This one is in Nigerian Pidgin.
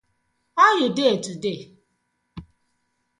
How you dey today?